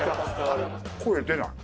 声出ない。